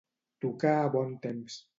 Tocar a bon temps.